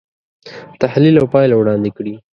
تحلیل او پایله وړاندې کړي.